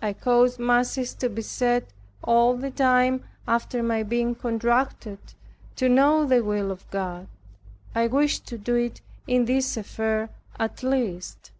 I caused masses to be said all the time after my being contracted, to know the will of God. I wished to do it in this affair at least.